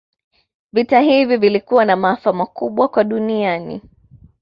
Vita hivi vilikuwa na maafa makubwa kwa duniani